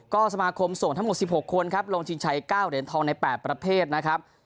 ก็สมาคมส่วนทั้งหกสิบหกคนครับลงที่ชายเก้าเดือนทองในแปดประเภทนะครับ